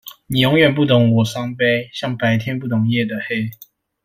你永遠不懂我傷悲，像白天不懂夜的黑